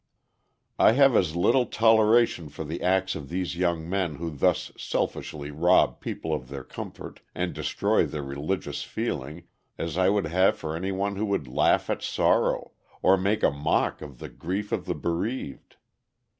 I have as little toleration for the acts of these young men who thus selfishly rob people of their comfort and destroy their religious feeling as I would have for any one who would laugh at sorrow, or make a mock of the grief of the bereaved.